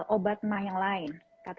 obat mah yang lain